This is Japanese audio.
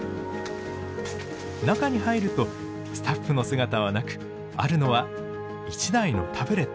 中に入るとスタッフの姿はなくあるのは１台のタブレット。